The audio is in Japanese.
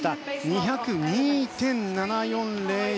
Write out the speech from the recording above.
２０２．７４０１。